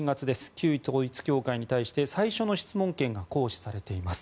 旧統一教会に対して最初の質問権が行使されています。